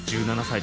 １７歳。